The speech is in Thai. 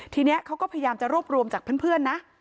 ทีนี้เขาก็พยายามจะรวบรวมจากเพื่อนนะ